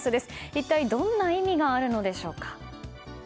一体どんな意味があるのでしょうか。